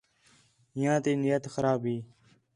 ہِیّاں تی نیت خراب ہی